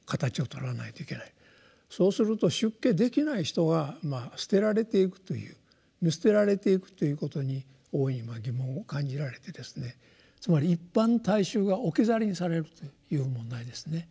そうすると出家できない人は捨てられていくという見捨てられていくということに大いに疑問を感じられてですねつまり一般大衆が置き去りにされるという問題ですね。